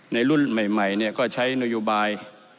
ในรุ่นใหม่เนี่ยก็ใช้นโยบาย